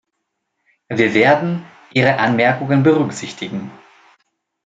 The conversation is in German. Wir werden Ihre Anmerkungen berücksichtigen.